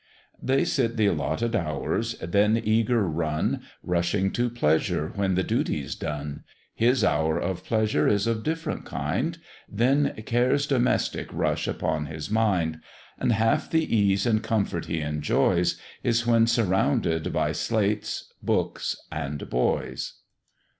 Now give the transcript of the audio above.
They sit th' alloted hours, then eager run, Rushing to pleasure when the duty's done; His hour of leisure is of different kind, Then cares domestic rush upon his mind, And half the ease and comfort he enjoys, Is when surrounded by slates, books, and boys.